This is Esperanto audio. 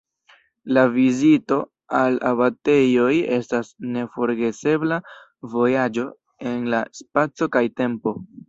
La vizito al abatejoj estas neforgesebla vojaĝo en la spaco kaj tempo.